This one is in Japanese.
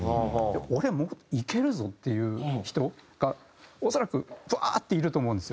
俺いけるぞっていう人が恐らくぶわーっていると思うんですよ。